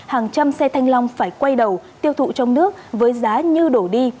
hàng trăm xe thanh long phải quay đầu tiêu thụ trong nước với giá như đổ đi